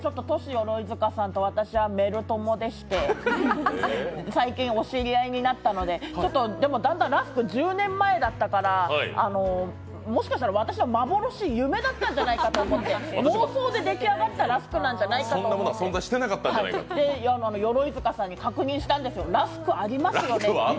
ＴｏｓｈｉＹｏｒｏｉｚｕｋａさんと私はメル友でして、最近、お知り合いになったのでラスク、１０年前だったから、もしかしたら私は幻、夢だったんじゃないかと思って、妄想ででき上がったラスクなんじゃないかと思って、鎧塚さんに確認したんですよ、ラスクありますよねって。